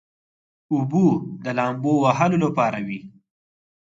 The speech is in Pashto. اوبه د لامبو وهلو لپاره وي.